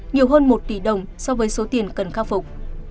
nhiều hơn một tỷ đồng so với số tiền cần khắc phục